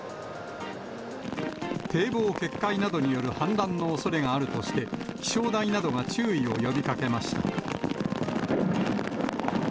堤防決壊などによる氾濫のおそれがあるとして、気象台などが注意を呼びかけました。